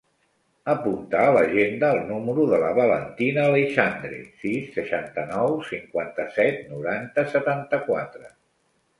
Apunta a l'agenda el número de la Valentina Aleixandre: sis, seixanta-nou, cinquanta-set, noranta, setanta-quatre.